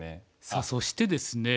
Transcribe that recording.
さあそしてですね